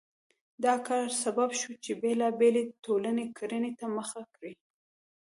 دا کار سبب شو چې بېلابېلې ټولنې کرنې ته مخه کړي.